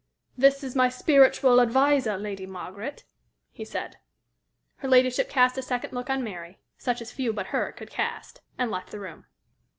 "This is my spiritual adviser, Lady Margaret," he said. Her ladyship cast a second look on Mary, such as few but her could cast, and left the room.